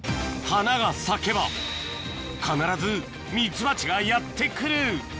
花が咲けば必ずミツバチがやって来る！